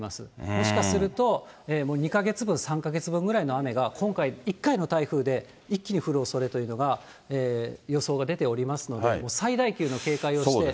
もしかすると、２か月分、３か月分ぐらいの雨が、今回、１回の台風で一気に降るおそれというのが、予想が出ておりますので、最大級の警戒をして。